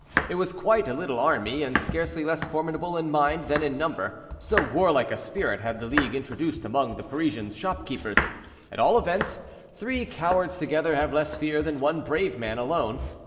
It was quite a little army, and scarcely less formidable in mind than in number, so warlike a spirit had the League introduced among the Parisian shopkeepers. At all events, three cowards together have less fear than one brave man alone.